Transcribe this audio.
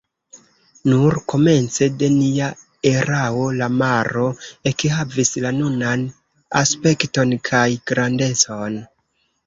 Nur komence de nia erao la maro ekhavis la nunan aspekton kaj grandecon.